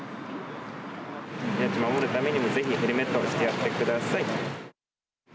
命を守るためにもぜひヘルメットをしてください。